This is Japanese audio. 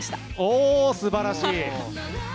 おー、すばらしい。